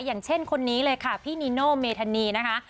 อย่างเช่นคนนี้เลยค่ะพี่นีโนเมธานีนะคะ